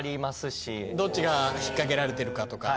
どっちが引っ掛けられてるかとか。